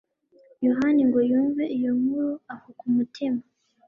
yohani ngo yumve iyo nkuru akuka umutima